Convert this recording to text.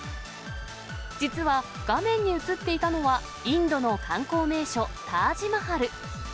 実は、画面に映っていたのはインドの観光名所、タージマハル。